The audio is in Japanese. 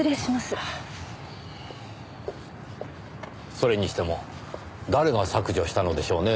それにしても誰が削除したのでしょうねぇ。